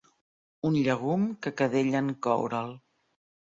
Un llegum que cadella en coure'l.